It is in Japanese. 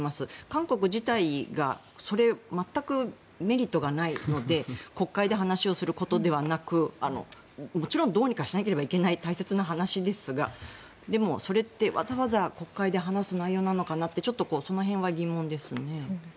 韓国自体が全くメリットがないので国会で話をすることではなくもちろんどうにかしなければならない大切な話ですがでも、それってわざわざ国会で話す内容なのかなってちょっとその辺は疑問ですね。